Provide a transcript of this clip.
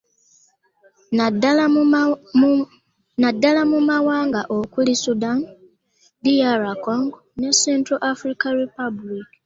Naddala mu mawanga okuli; Sudan, DR Congo ne Central African Republic.